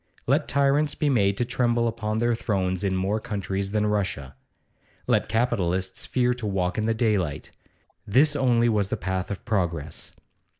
Let tyrants be made to tremble upon their thrones in more countries than Russia. Let capitalists fear to walk in the daylight. This only was the path of progress.